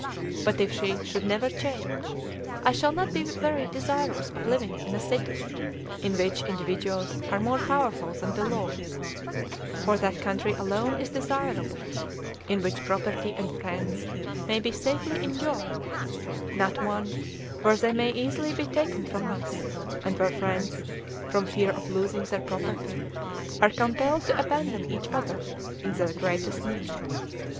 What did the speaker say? But if she should never change, I shall not be very desirous of living in a city in which individuals are more powerful than the laws; for that country alone is desirable in which property and friends may be safely enjoyed, not one where they may easily be taken from us, and where friends, from fear of losing their property, are compelled to abandon each other in their greatest need.